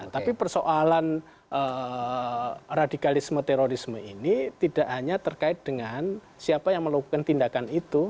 tapi persoalan radikalisme terorisme ini tidak hanya terkait dengan siapa yang melakukan tindakan itu